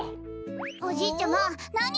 おじいちゃまなに？